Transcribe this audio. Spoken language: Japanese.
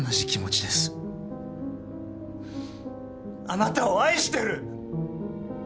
あなたを愛してる！